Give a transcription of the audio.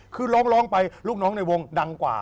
คือร้องไปลูกน้องในวงดังกว่า